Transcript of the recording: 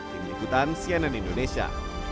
dikikutan cnn indonesia